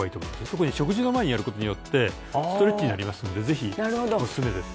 特に食事の前にやることによってストレッチになりますんでぜひおすすめです